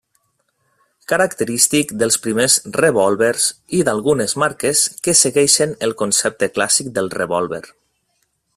Característic dels primers revòlvers i d'algunes marques que segueixen el concepte clàssic del revòlver.